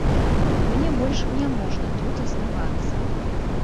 Мне больш няможна тут аставацца.